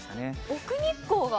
奥日光が。